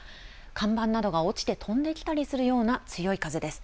看板などが落ちて飛んできたりするような強い風です。